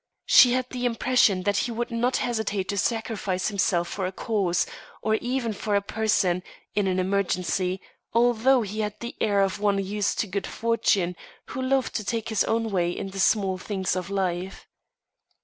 She had the impression that he would not hesitate to sacrifice himself for a cause, or even for a person, in an emergency, although he had the air of one used to good fortune, who loved to take his own way in the small things of life.